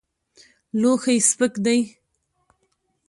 لوښی سپک دی.